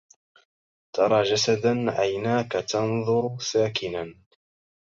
ترى جسدا عيناك تنظر ساكنا